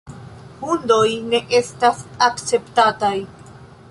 Hundoj ne estas akceptataj.